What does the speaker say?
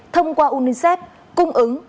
thông qua unicef cung ứng